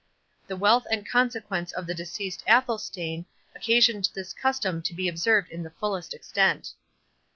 The wealth and consequence of the deceased Athelstane, occasioned this custom to be observed in the fullest extent.